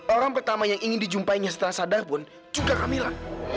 orang pertama yang ingin dijumpainya setelah sadar pun juga kehamila